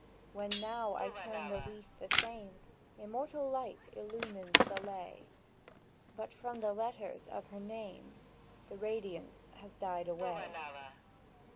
—When now I turn the leaf the same Immortal light illumes the lay, But from the letters of her name The radiance has died away!